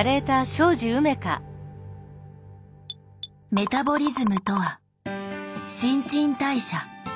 メタボリズムとは「新陳代謝」。